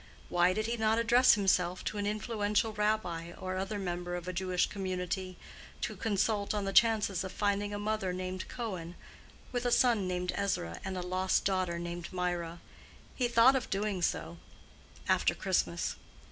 Why did he not address himself to an influential Rabbi or other member of a Jewish community, to consult on the chances of finding a mother named Cohen, with a son named Ezra, and a lost daughter named Mirah? He thought of doing so—after Christmas.